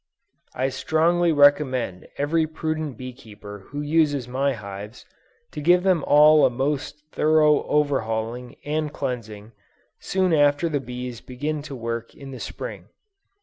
I strongly recommend every prudent bee keeper who uses my hives, to give them all a most thorough over hauling and cleansing, soon after the bees begin to work in the Spring.